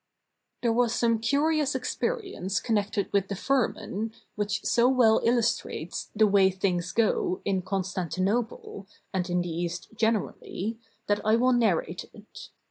] There was some curious experience connected with the firman, which so well illustrates "the way things go" in Constantinople, and in the East generally, that I will narrate it.